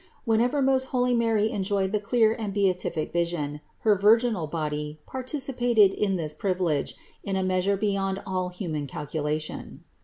Whenever most holy Mary enjoyed the clear and beatific vision, her virginal body partic ipated in this privilege in a measure beyond all human calculation.